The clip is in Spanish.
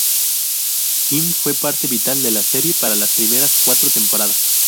Kim fue parte vital de la serie para las primeras cuatro temporadas.